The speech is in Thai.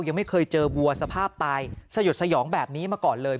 ยังไม่เคยเจอวัวสภาพตายสยดสยองแบบนี้มาก่อนเลย